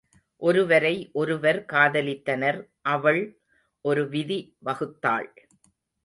ஒருவரை ஒருவர் காதலித்தனர், அவள் ஒரு விதி வகுத்தாள்.